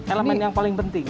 elemen yang paling penting